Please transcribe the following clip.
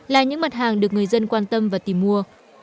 là những mặt hàng được người dân quan tâm và tìm mua